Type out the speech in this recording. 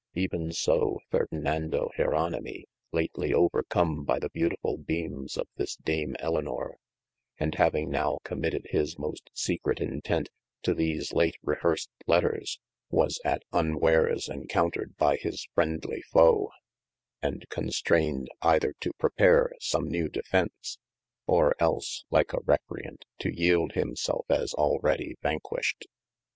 Even so Ferdinando Jeronimi lately overcome by the beautifull beames of this Dame Elynor, and having now com mitted his moste secrete intent to these late rehearsed letters, was at unwares encountred with his friendly foeT and con strayned either to prepare some new defence, or else like a recreant to yeeld himselfe as already vanquished.